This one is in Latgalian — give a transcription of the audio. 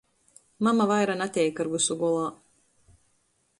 Mama vaira nateik ar vysu golā.